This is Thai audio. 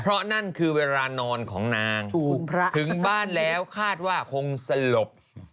เพราะนั่นคือเวลานอนของนางถึงบ้านแล้วคาดว่าคงสลบ